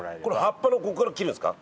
葉っぱのここから切るんですか？